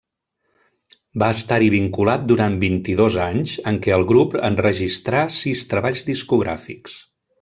Va estar-hi vinculat durant vint-i-dos anys, en què el grup enregistrà sis treballs discogràfics.